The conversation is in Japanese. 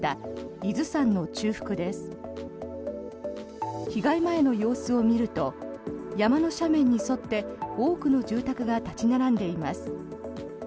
被害前の様子を見ると山の斜面に沿って多くの住宅が立ち並んでいます。